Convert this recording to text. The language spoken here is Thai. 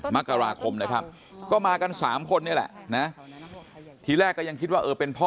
มกราคมนะครับก็มากัน๓คนนี่แหละนะทีแรกก็ยังคิดว่าเออเป็นพ่อ